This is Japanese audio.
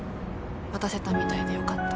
渡せたみたいでよかった。